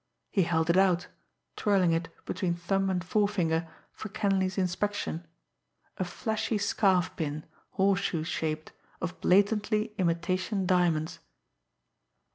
He held it out, twirling It between thumb and forefinger, for Kenleigh's inspection a flashy scarf pin, horseshoe shaped, of blatantly imitation diamonds.